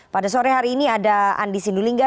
pada sore hari ini ada andi sindulingga